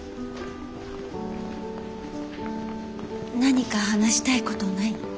何か話したいことない？